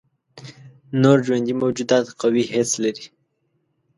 نور ژوندي موجودات قوي حس لري.